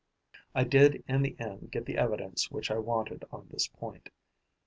I did in the end get the evidence which I wanted on this point.